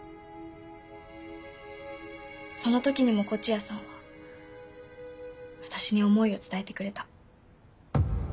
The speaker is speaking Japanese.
その時にも東風谷さんは私に思いを伝えてくれた。